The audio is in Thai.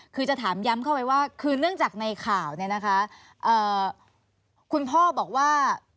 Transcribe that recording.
คือจะถามย้ำเข้าไปว่าคือเนื่องจากในข่าวเนี่ยนะคะคุณพ่อบอกว่า